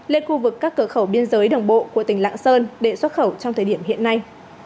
lên khu vực các cửa khẩu biên giới đồng bộ của tỉnh lạng sơn để xuất khẩu trong thời điểm hiện nay